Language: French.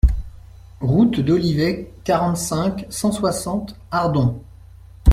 Route d'Olivet, quarante-cinq, cent soixante Ardon